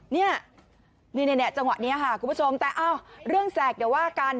เนี่ยนี่จังหวะนี้ค่ะคุณผู้ชมแต่เรื่องแสกเดี๋ยวว่ากัน